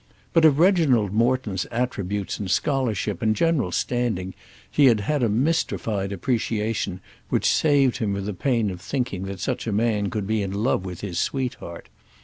But of Reginald Morton's attributes and scholarship and general standing he had a mystified appreciation which saved him from the pain of thinking that such a man could be in love with his sweetheart.